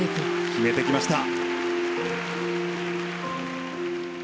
決めてきました。